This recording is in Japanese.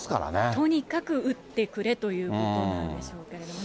とにかく打ってくれということなんでしょうけれどもね。